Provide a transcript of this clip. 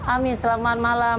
amin selamat malam